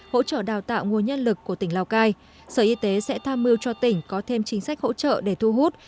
hỗ trợ đào tạo nguồn nhân lực của tỉnh lào cai sở y tế sẽ tham mưu cho tỉnh có thêm chính sách hỗ trợ để thu hút